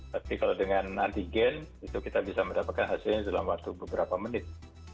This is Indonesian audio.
tapi kalau dengan antigen itu kita bisa mendapatkan hasilnya dalam waktu beberapa menit